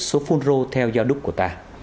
số phun rô theo gia đúc của ta